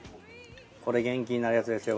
これ元気になるやつですよ